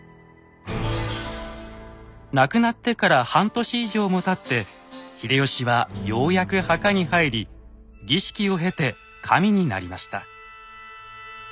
亡くなってから半年以上もたって秀吉はようやく墓に入り儀式を経て神になりました。